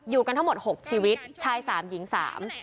กันทั้งหมดหกชีวิตชายสามหญิงสาม